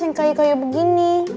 yang kayu kayu begini